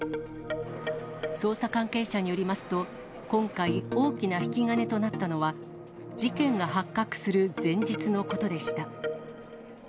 捜査関係者によりますと、今回、大きな引き金となったのは、事件が発覚する前日のことでした。